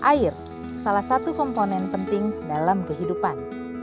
air salah satu komponen penting dalam kehidupan